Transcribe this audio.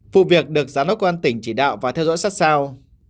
vụ việc được giám đốc công an tỉnh chỉ đạo và theo dõi sát sao